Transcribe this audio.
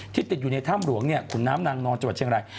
ที่ติดอยู่ในถ้ำหลวงเนี่ยขุนน้ำนางนอนจังหลาย